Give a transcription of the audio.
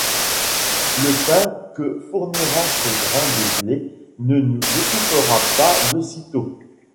Le pain que fournira ce grain de blé ne nous étouffera pas de sitôt!